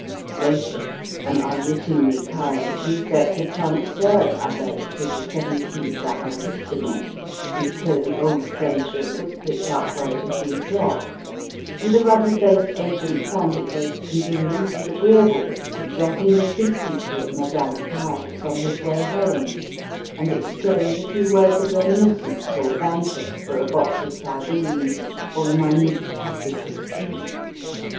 Later, an unwittingly kindly prefect had transferred Abel to the seventeenth arrondissement, and so the old friendship was picked up where it had been dropped, and the ruddy faced agent found it both convenient and agreeable to drop in frequently at Madame Caille's on his way home, and exchange a few words of reminiscence or banter for a box of sardines or a minute package of tea.